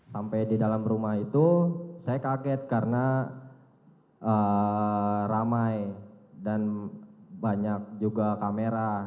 sampai di dalam rumah itu saya kaget karena ramai dan banyak juga kamera